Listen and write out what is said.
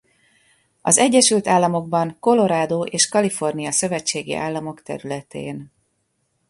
Az Egyesült Államokban Colorado és Kalifornia szövetségi államok területén.